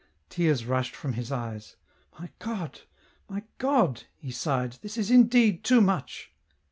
" Tears rushed from his eyes. "My God, my God !" he sighed, " this is indeed too much."